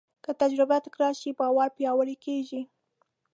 که تجربه تکرار شي، باور پیاوړی کېږي.